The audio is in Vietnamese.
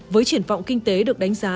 với triển vọng kinh tế được đánh giá